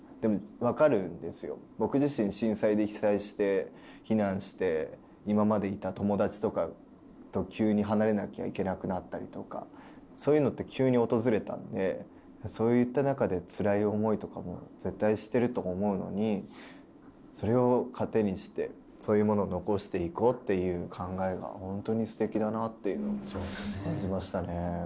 僕自身震災で被災して避難して今までいた友達とかと急に離れなきゃいけなくなったりとかそういうのって急に訪れたんでそういった中でつらい思いとかも絶対してると思うのにそれを糧にしてそういうものを残していこうっていう考えがほんとにすてきだなっていうのを感じましたね。